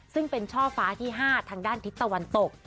ซึ่งเป็นช่อฟ้าที่๕ทางด้านทิศตะวันตก